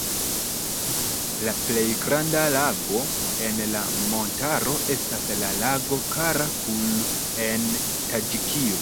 La plej granda lago en la montaro estas la lago Kara-Kul en Taĝikio.